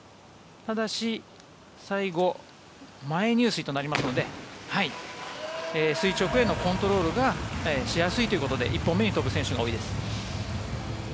ただし最後、前入水となりますので垂直へのコントロールがしやすいということで１本目に飛ぶ選手が多いです。